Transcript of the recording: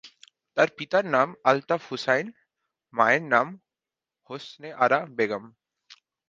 তার পিতার নাম আলতাফ হুসাইন, মায়ের নাম হোসনে আরা বেগম।